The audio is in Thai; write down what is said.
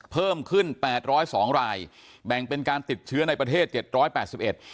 เพิ่มขึ้นแปดร้อยสองรายแบ่งเป็นการติดเชื้อในประเทศเจ็ดร้อยแปดสิบเอ็ด